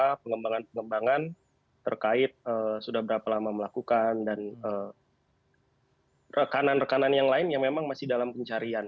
bagaimana pengembangan pengembangan terkait sudah berapa lama melakukan dan rekanan rekanan yang lain yang memang masih dalam pencarian